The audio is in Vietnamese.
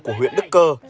của huyện đức cơ